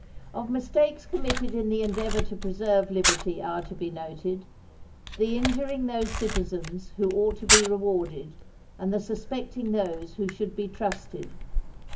Of mistakes committed in the endeavour to preserve liberty are to be noted, the injuring those citizens who ought to be rewarded, and the suspecting those who should be trusted.